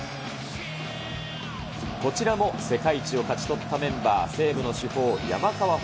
こちらも世界一を勝ち取ったメンバー、西武の主砲、山川穂